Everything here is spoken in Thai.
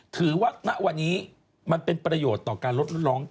ถือว่าณวันนี้มันเป็นประโยชน์ต่อการลดโรคร้อน